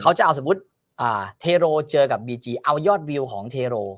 เขาจะเอาสมมุติเทโรเจอกับบีจีเอายอดวิวของเทโร